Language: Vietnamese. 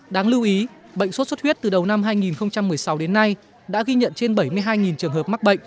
đáng lưu ý bệnh sốt xuất huyết từ đầu năm hai nghìn một mươi sáu đến nay đã ghi nhận trên bảy mươi hai trường hợp mắc bệnh